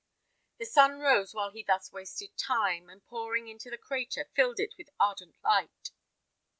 The sun rose while he thus wasted time, and pouring into the crater, filled it with ardent light.